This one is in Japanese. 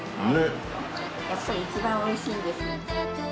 やっぱり一番美味しいんです。